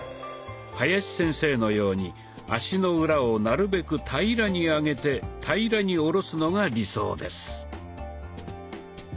林先生のように足の裏をなるべく平らに上げて平らに下ろすのが理想です。